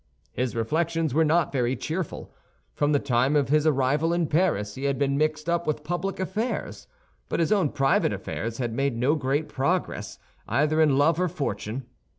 His reflections were not very cheerful. From the time of his arrival in Paris, he had been mixed up with public affairs; but his own private affairs had made no great progress, either in love or fortune.